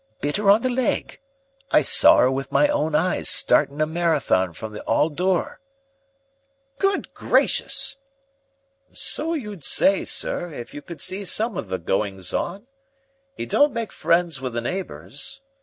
Bit 'er on the leg. I saw 'er with my own eyes startin' a marathon from the 'all door." "Good gracious!" "So you'd say, sir, if you could see some of the goings on. 'E don't make friends with the neighbors.